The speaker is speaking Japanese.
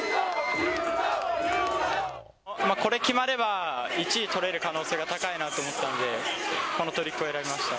これ、決まれば、１位取れる可能性が高いなと思ったんで、このトリックを選びました。